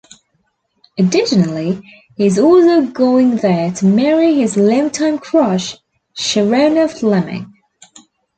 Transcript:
Additionally, he is also going there to marry his longtime crush, Sharona Fleming.